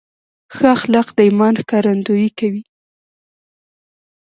ښه اخلاق د ایمان ښکارندویي کوي.